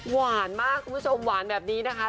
หวานมากคุณผู้ชมหวานแบบนี้นะคะ